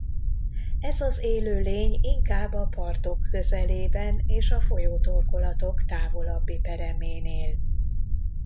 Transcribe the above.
Ez az élőlény inkább a partok közelében és a folyótorkolatok távolabbi peremén él.